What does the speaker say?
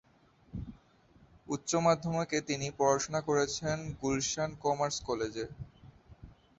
উচ্চ মাধ্যমিকে তিনি পড়াশোনা করেছেন গুলশান কমার্স কলেজে।